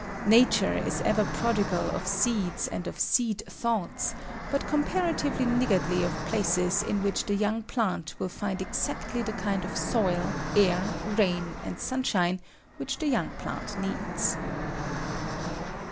Nature is ever prodigal of seeds and of "seed thoughts" but comparatively niggardly of places in which the young plant will find exactly the kind of soil, air, rain, and sunshine which the young plant needs.